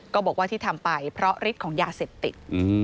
ก็บอกว่าที่ทำไปเพราะฤทธิ์ของยาเสพติด